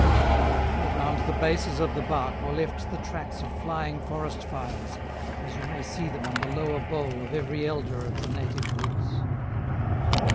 Moreover, round the bases of the bark Were left the tracks of flying forest fires, As you may see them on the lower bole Of every elder of the native woods.